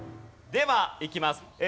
ではいきます。